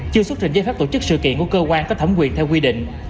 chưa xuất trình giấy phép tổ chức sự kiện của cơ quan có thẩm quyền theo quy định